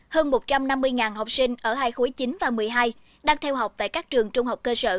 hơn một trăm năm mươi học sinh ở hai khối chín và một mươi hai đang theo học tại các trường trung học cơ sở